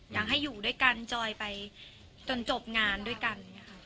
อยากให้อยู่ด้วยกันจอยไปจนจบงานด้วยกัน